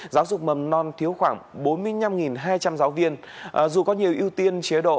hai nghìn một mươi chín hai nghìn hai mươi giáo dục mầm non thiếu khoảng bốn mươi năm hai trăm linh giáo viên dù có nhiều ưu tiên chế độ